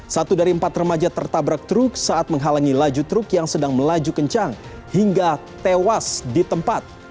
satu dari empat remaja tertabrak truk saat menghalangi laju truk yang sedang melaju kencang hingga tewas di tempat